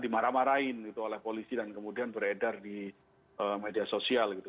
dimarah marahin gitu oleh polisi dan kemudian beredar di media sosial gitu